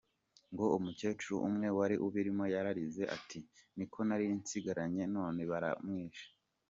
Ngo umukecuru umwe wari ubarimo yararize ati: “Niko nari nsigaranye none baramwishe”.